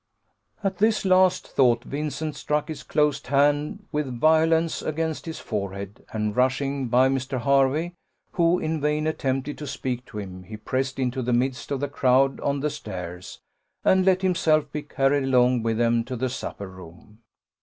At this last thought, Vincent struck his closed hand with violence against his forehead; and rushing by Mr. Hervey, who in vain attempted to speak to him, he pressed into the midst of the crowd on the stairs, and let himself be carried along with them into the supper room.